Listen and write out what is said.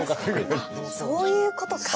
あっそういうことか！